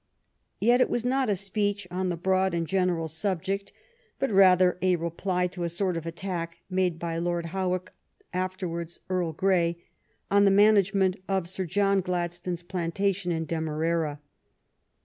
Yet it was not a speech on the broad and general subject, but rather a reply to a sort of attack made by Lord Howick, afterwards Earl Grey, on the management of Sir John Gladstone s plantation in Demerara.